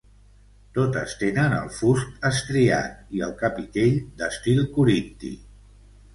Totes tenen el fust estriat i el capitell d'estil corinti.